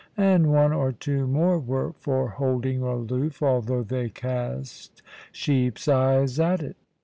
And one or two more were for holding aloof, although they cast sheep's eyes at it.